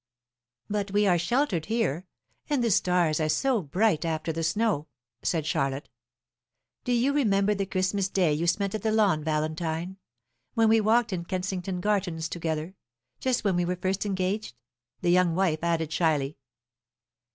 "But we are sheltered here. And the stars are so bright after the snow," said Charlotte. "Do you remember the Christmas day you spent at the Lawn, Valentine, when we walked in Kensington Gardens together, just when we were first engaged?" the young wife added shyly.